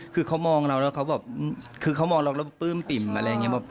คือเขามองเราแล้วเขาแบบคือเขามองเราแล้วปลื้มปิ่มอะไรอย่างนี้